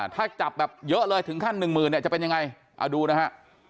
ถ้าจับแบบเยอะเลยถึงขั้นหนึ่งหมื่นเนี่ยจะเป็นยังไงเอาดูนะฮะ